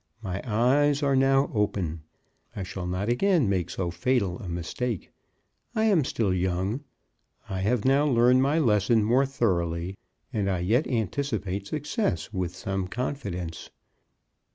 My eyes are now open. I shall not again make so fatal a mistake. I am still young. I have now learned my lesson more thoroughly, and I yet anticipate success with some confidence.